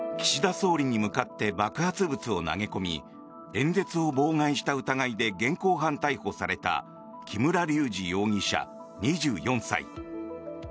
総理に向かって爆発物を投げ込み演説を妨害した疑いで現行犯逮捕された木村隆二容疑者、２４歳。